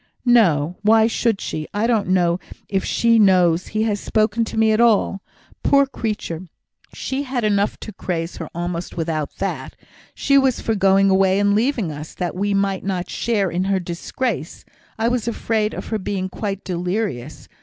"No! Why should she? I don't know if she knows he has spoken to me at all. Poor creature! she had enough to craze her almost without that! She was for going away and leaving us, that we might not share in her disgrace. I was afraid of her being quite delirious.